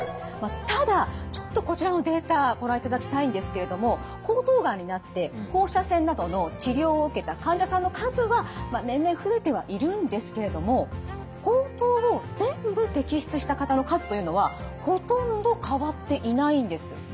ただちょっとこちらのデータご覧いただきたいんですけれども喉頭がんになって放射線などの治療を受けた患者さんの数は年々増えてはいるんですけれども喉頭を全部摘出した方の数というのはほとんど変わっていないんです。